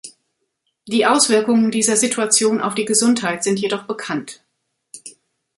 Die Auswirkungen dieser Situation auf die Gesundheit sind jedoch bekannt.